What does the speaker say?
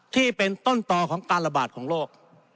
ที่เป็นต้นต่อของการระบาดของโรค